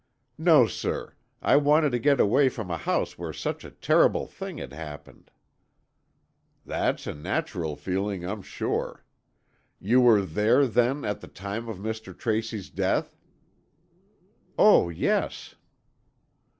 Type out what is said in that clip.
"No, sir. I wanted to get away from a house where such a terrible thing had happened." "That's a natural feeling, I'm sure. You were there, then, at the time of Mr. Tracy's death?" "Oh, yes."